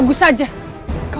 buka hayat smp ku